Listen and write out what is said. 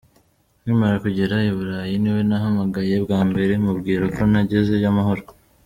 Nkimara kugera i Burayi niwe nahamagaye bwa mbere mubwira ko nagezeyo amahoro.